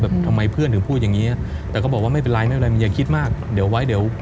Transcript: ทำไมเพื่อนถึงพูดอย่างงี้แต่ก็บอกว่าไม่เป็นไรไม่เป็นไรอย่าคิดมากเดี๋ยวไว้เดี๋ยว